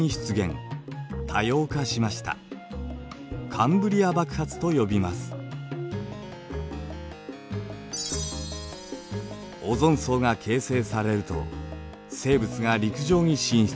カンブリア紀オゾン層が形成されると生物が陸上に進出。